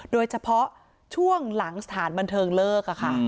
โดยเฉพาะช่วงหลังสถานบันเทิงเลิก